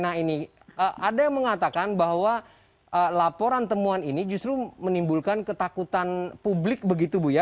nah ini ada yang mengatakan bahwa laporan temuan ini justru menimbulkan ketakutan publik begitu bu ya